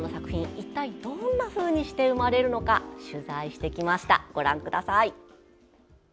一体どんなふうにして生まれるのか取材しました。